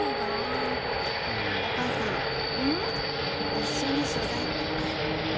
一緒に取材行こっか。